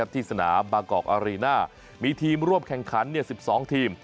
ที่สนามบางกอกอารีน่ามีทีมร่วมแข่งขัน๑๒ทีม